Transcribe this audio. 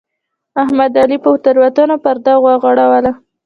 احمد د علي پر تېروتنو پرده وغوړوله.